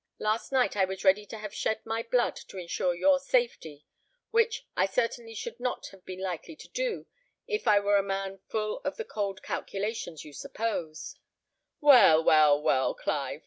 Last night I was ready to have shed my blood to insure your safety, which I certainly should not have been likely to do if I were a man full of the cold calculations you suppose " "Well, well, well, Clive!"